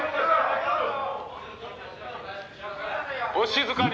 「お静かに」